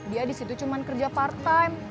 dia di situ cuma kerja part time